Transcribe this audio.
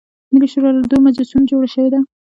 ملي شورا له دوه مجلسونو جوړه شوې ده.